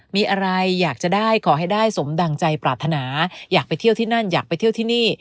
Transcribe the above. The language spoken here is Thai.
มีอะไรอยากจะได้ขอให้ได้สมดังใจปรารถนาอยากไปเที่ยวที่นั่นอยากไปเที่ยวที่นี่